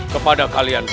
kepada kalian berdua